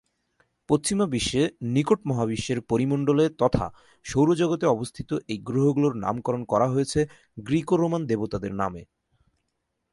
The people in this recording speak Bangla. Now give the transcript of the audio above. পশ্চিমা বিশ্বে নিকট-মহাবিশ্বের পরিমণ্ডলে তথা সৌর জগতে অবস্থিত এই গ্রহগুলোর নামকরণ করা হয়েছে গ্রিকো-রোমান দেবতাদের নামে।